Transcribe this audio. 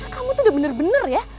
kamu tuh udah bener bener ya